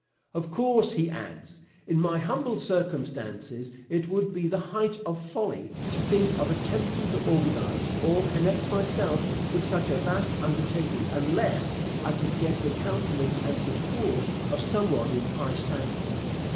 'Of course,' he adds, 'in my humble circumstances it would be the height of folly to think of attempting to organize or connect myself with such a vast undertaking unless I could get the countenance and support of some one in high standing.'